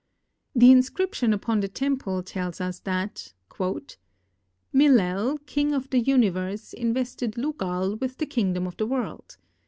The inscription upon the temple tells us that " Millel, king of the universe, invested Lugal with the kingdom of the world.